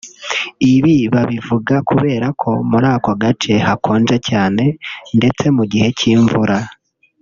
Ibi babivuga kubera ko muri ako gace hakonja cyane ndetse mu gihe cy’imvura